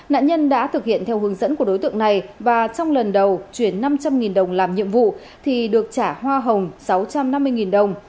nạn nhân đã thực hiện theo hướng dẫn của đối tượng này và trong lần đầu chuyển năm trăm linh đồng làm nhiệm vụ thì được trả hoa hồng sáu trăm năm mươi đồng